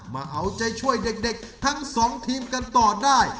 มาเอาใจช่วยเด็กทั้งสองทีมกันต่อได้